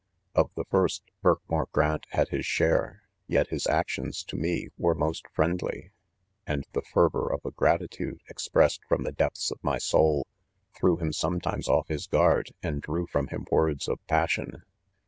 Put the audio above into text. Of the first, Btrkmoor Grant had his share ; yet his actions to me, were most friendly 5 and the fervor of a gratitude, expressed from the depths of ray soul, threw him. sometimes off his guard, &iid drew from him words of passion.